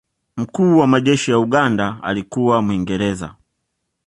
mkuu wa majeshi ya uganda alikuwa mwingereza